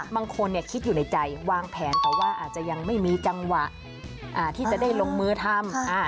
บางคนคิดอยู่ในใจวางแผนแต่ว่าอาจจะยังไม่มีจังหวะที่จะได้ลงมือทำ